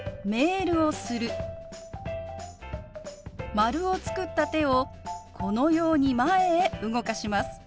丸を作った手をこのように前へ動かします。